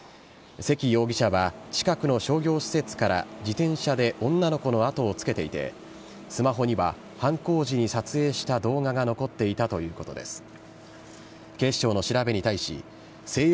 関容疑者は、近くの商業施設から自転車で女の子のあとをつけていて、スマホには犯行時に撮影した動画が残っていたということです。